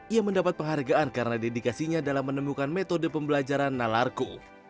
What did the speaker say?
ia mendapat penghargaan karena dedikasinya dalam menemukan metode pembelajaran nalarku